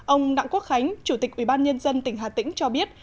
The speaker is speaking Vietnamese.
ông đặng quốc khánh chủ tịch ubnd tỉnh hà tĩnh cho biết